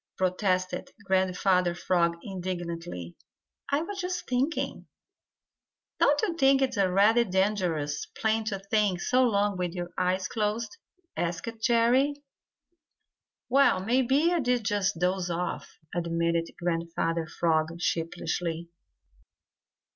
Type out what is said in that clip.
protested Grandfather Frog indignantly. "I was just thinking." "Don't you think it a rather dangerous plan to think so long with your eyes closed?" asked Jerry. "Well, maybe I did just doze off," admitted Grandfather Frog sheepishly.